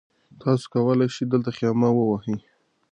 تاسي کولای شئ دلته خیمه ووهئ.